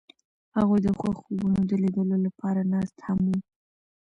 هغوی د خوښ خوبونو د لیدلو لپاره ناست هم وو.